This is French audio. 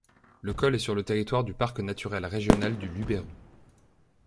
Le col est sur le territoire du parc naturel régional du Luberon.